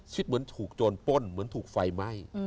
เหมือนถูกโจรป้นเหมือนถูกไฟไหม้